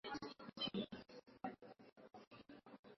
mtu huyo alikaaa ndani ya maji kwa muda mrefu